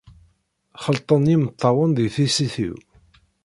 Xelṭen yimeṭṭawen di tissit-iw.